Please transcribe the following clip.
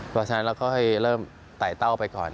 เพราะฉะนั้นเราก็ค่อยเริ่มไต่เต้าไปก่อน